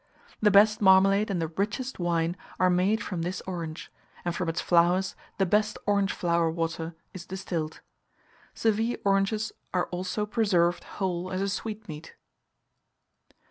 The best marmalade and the richest wine are made from this orange; and from its flowers the best orange flower water is distilled. Seville oranges are also preserved whole as a sweetmeat.